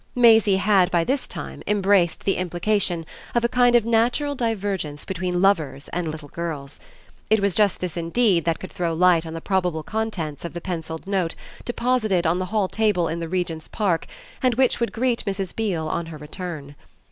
Maisie had by this time embraced the implication of a kind of natural divergence between lovers and little girls. It was just this indeed that could throw light on the probable contents of the pencilled note deposited on the hall table in the Regent's Park and which would greet Mrs. Beale on her return.